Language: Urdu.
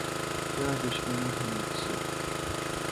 کیا دشمنی ہے مجھ سے؟